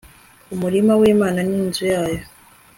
umurima wImana ni nzu yayo